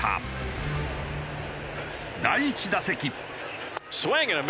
第１打席。